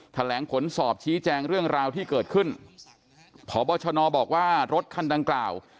แถลงผลสอบชี้แจงเรื่องราวที่เกิดขึ้นพบชนบอกว่ารถคันดังกล่าว